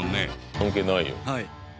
関係ないよ。